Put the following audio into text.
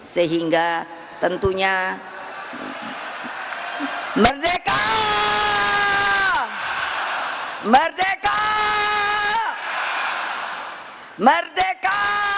sehingga tentunya merdeka merdeka merdeka